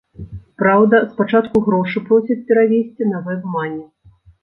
Праўда, спачатку грошы просяць перавесці на вэбмані.